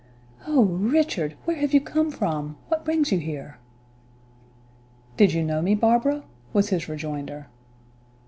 "Oh, Richard! Where have you come from? What brings you here?" "Did you know me, Barbara?" was his rejoinder.